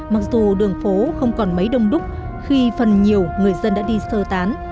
mặc dù đường phố không còn mấy đông đúc khi phần nhiều người dân đã đi sơ tán